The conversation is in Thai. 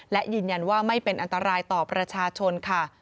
และยืนยันว่าไม่เป็นอันตรายต่อประชาชนค่ะ